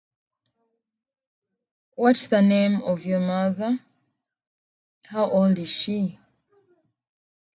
He also worked as an apprentice at Metal Box Limited in Mansfield.